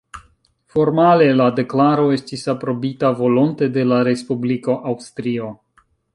Formale, la deklaro estis aprobita volonte de la Respubliko Aŭstrio.